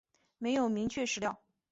没有明确史料